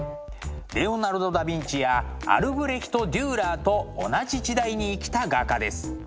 レオナルド・ダ・ヴィンチやアルブレヒト・デューラーと同じ時代に生きた画家です。